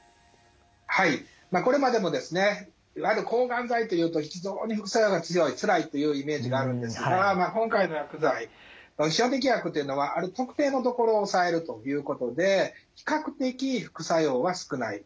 はいこれまでもですねいわゆる抗がん剤というと非常に副作用が強いつらいというイメージがあるんですが今回の薬剤分子標的薬というのはある特定の所を抑えるということで比較的副作用は少ない。